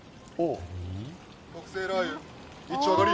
特製ラー油、一丁上がり。